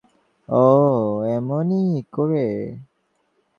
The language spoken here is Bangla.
ও এমনই করে।